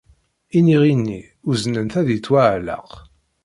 Iniɣi-nni uznen-t ad yettwaɛelleq.